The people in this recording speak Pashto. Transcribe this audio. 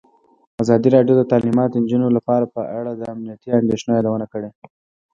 ازادي راډیو د تعلیمات د نجونو لپاره په اړه د امنیتي اندېښنو یادونه کړې.